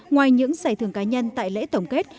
ngoài những giải thưởng cá nhân tại lễ tổng kết